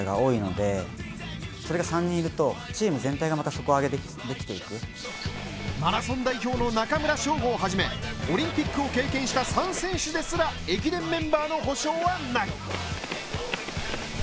その強さについて解説の大迫傑さんはマラソン代表の中村匠吾をはじめ、オリンピックを経験した３選手ですら、駅伝メンバーの保証はない。